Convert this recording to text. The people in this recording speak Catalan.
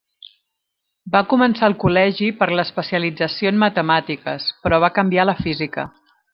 Va començar el col·legi per l'especialització en matemàtiques, però va canviar a la física.